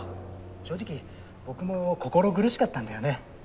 正直僕も心苦しかったんだよね。